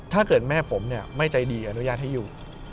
ถ้าเกิดแม่ผมไม่ใจดีอนุญาตให้อยู่